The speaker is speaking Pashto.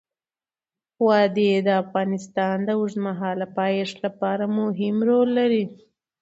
وادي د افغانستان د اوږدمهاله پایښت لپاره مهم رول لري.